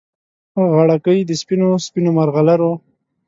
غاړګۍ د سپینو، سپینو مرغلرو